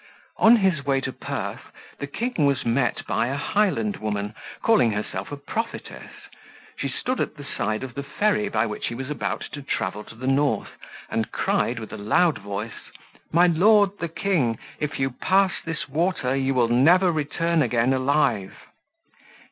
"On his way to Perth, the king was met by a Highland woman, calling herself a prophetess; she stood at the side of the ferry by which he was about to travel to the north, and cried with a loud voice, 'My lord the king, if you pass this water you will never return again alive!